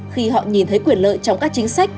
khi họ nhìn thấy quyền lợi trong các chính sách